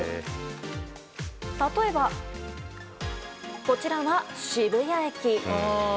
例えば、こちらは渋谷駅。